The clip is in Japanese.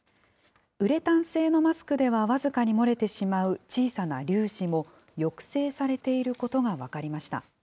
ウレタン製のマスクでは僅かに漏れてしまう小さな粒子も抑制されていることが分かりました。